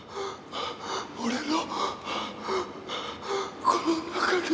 俺のこの中に。